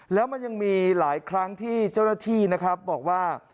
แล้วมันยังมีหลายครั้งที่เจ้าหน้าที่นะครับบอกว่า